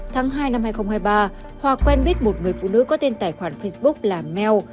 tháng hai năm hai nghìn hai mươi ba hòa quen biết một người phụ nữ có tên tài khoản facebook là mel